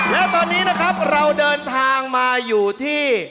แล้วตอนนี้นะครับเราเดินทางมาอยู่ที่